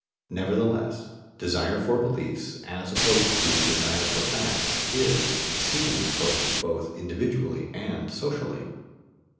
Nevertheless, desire for beliefs, as opposed to desire for facts, is exceedingly potent both individually and socially.